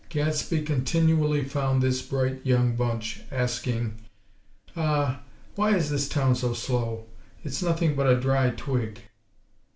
Gadsby continually found this bright young bunch asking: "Aw! Why is this town so slow? It's nothing but a dry twig!!"